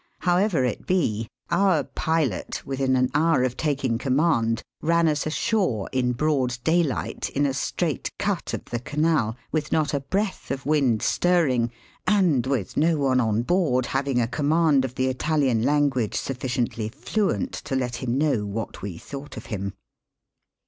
However it be, our pilot within an hour of taking command ran us ashore, in broad daylight, in a •straight cut of the Canal, with not a breath of wind stirring, and with no one on board liaving a command of the Italian language Digitized by VjOOQIC THROUGH THE SUEZ CANAL. 349 sufficiently fluent to lot him know what we thought of him.